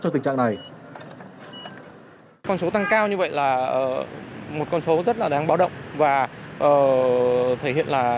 cho tình trạng này